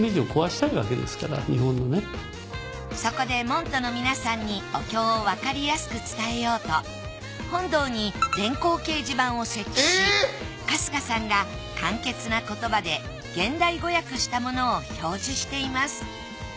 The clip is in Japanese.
そこで門徒の皆さんにお経をわかりやすく伝えようと本堂に電光掲示板を設置し春日さんが簡潔な言葉で現代語訳したものを表示しています。